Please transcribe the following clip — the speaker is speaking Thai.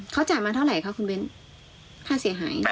เขาจ่ายมาเท่าไหร่ครับคุณเบนส์